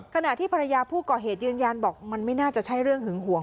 ขณะที่ภรรยาผู้ก่อเหตุยืนยันบอกมันไม่น่าจะใช่เรื่องหึงหวง